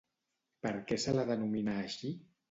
Per què se la denomina així?